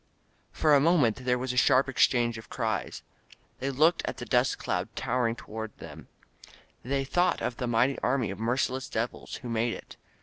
For a moment there was a sharp exchange of cries. They looked at the dust cloud towering over them. They thought of the mighty army of merciless devils who made it.